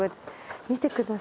見てください。